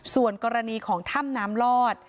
ส่วนกรณีของถ้ำน้ำลอด